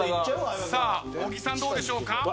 さあ小木さんどうでしょうか？